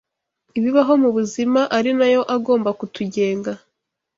ibibaho mu buzima ari na yo agomba kutugenga